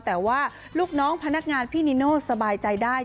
แต่ว่าลูกน้องพนักงานพี่นิโน่สบายใจได้